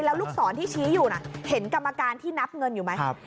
แล้วลูกศรที่ชี้อยู่น่ะเห็นกรรมการที่นับเงินอยู่ไหม